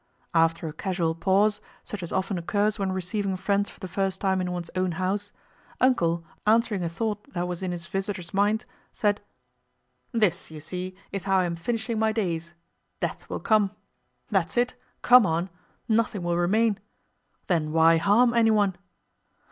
After a casual pause, such as often occurs when receiving friends for the first time in one's own house, "Uncle," answering a thought that was in his visitors' minds, said: "This, you see, is how I am finishing my days... Death will come. That's it, come on! Nothing will remain. Then why harm anyone?"